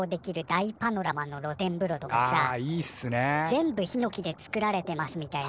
全部ひのきで作られてますみたいな。